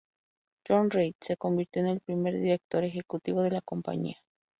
John Reith se convirtió en el primer director ejecutivo de la compañía.